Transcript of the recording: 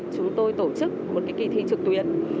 chúng tôi tổ chức một kỳ thi trực tuyến